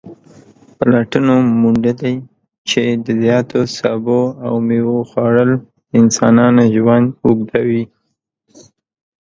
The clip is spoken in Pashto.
پلټنو موندلې چې د زیاتو سبو او میوو خوړل د انسانانو ژوند اوږدوي